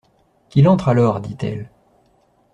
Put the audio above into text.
Qu'il entre, alors, dit-elle.